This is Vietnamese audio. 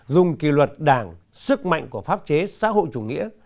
dùng kỳ luật đảng sức mạnh của pháp chế xã hội chủ nghĩa